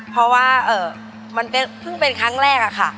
เพราะว่ามันเพิ่งเป็นครั้งแรกอะค่ะ